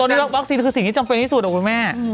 ตอนนี้วัคซีนคือสิ่งที่จำเป็นที่สุดอะคุณแม่